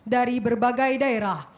dari berbagai daerah